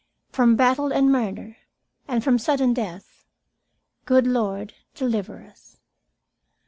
'From battle and murder, and from sudden death, Good Lord, deliver us.'"